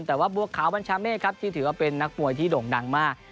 แต่ว่าบัวขาวบัญชาเมฆครับที่ถือว่าเป็นนักมวยที่โด่งดังมาก